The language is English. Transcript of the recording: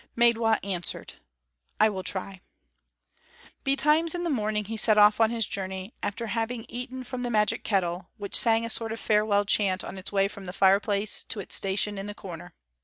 Maidwa answered, "I will try." Betimes in the morning he set off on his journey, after having eaten from the magic kettle, which sang a sort of farewell chant on its way from the fireplace to its station in the corner.